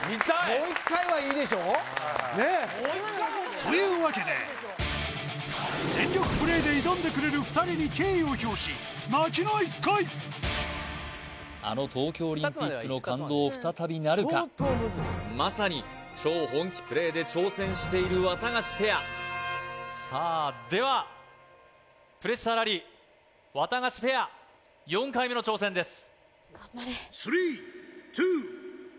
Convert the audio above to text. もう一回はいいでしょうというわけで全力プレーで挑んでくれる２人に敬意を表し泣きの１回あの東京オリンピックの感動再びなるかまさに超本気プレーで挑戦しているワタガシペアさあではプレッシャーラリーワタガシペア４回目の挑戦です・